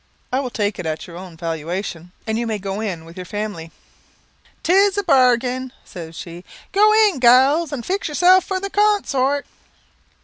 I will take it at your own valuation, and you may go in with your family." "'Tis a bargain," says she. "Go in, galls, and fix yourselves for the con sort."